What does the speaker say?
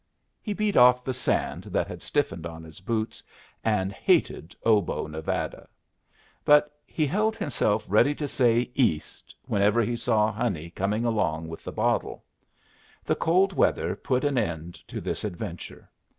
He beat off the sand that had stiffened on his boots, and hated Obo, Nevada. But he held himself ready to say "East" whenever he saw Honey coming along with the bottle. The cold weather put an end to this adventure.